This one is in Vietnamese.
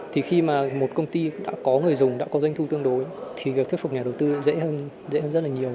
thì khi mà một công ty đã có người dùng đã có doanh thu tương đối thì việc thuyết phục nhà đầu tư dễ hơn dễ hơn rất là nhiều